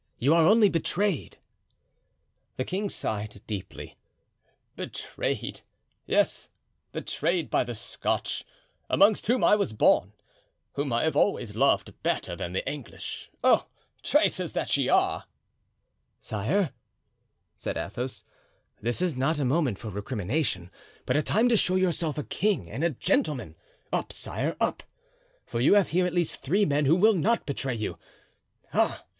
"You are only betrayed." The king sighed deeply. "Betrayed! yes betrayed by the Scotch, amongst whom I was born, whom I have always loved better than the English. Oh, traitors that ye are!" "Sire," said Athos, "this is not a moment for recrimination, but a time to show yourself a king and a gentleman. Up, sire! up! for you have here at least three men who will not betray you. Ah!